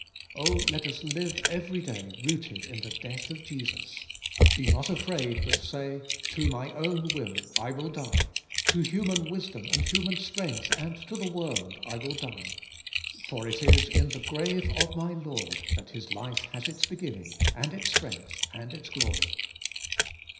Oh! let us live every da}' rooted in the death of Jesus. Be not afraid, but say: "To my own will I will die; to human wis dom, and human strength, and to the world I will die; for it is in the grave of my Lord that His life 82 CHRIST OUR LIFE has its beginning, and its strength and its glory.''